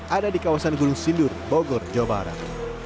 ada di kawasan gunung sindur bogor jawa barat